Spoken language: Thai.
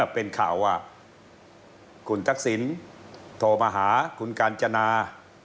เป็นข่าวว่าคุณตักศิลป์โทมหาคุณการจนา